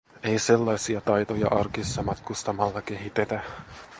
Ei sellaisia taitoja arkissa matkustamalla kehitetä.